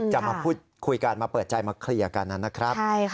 จะมาพูดคุยกันมาเปิดใจมาเคลียร์กันนะครับ